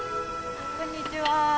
こんにちは。